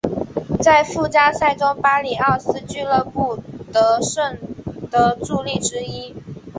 在附加赛中巴里奥斯俱乐部得胜的助力之一。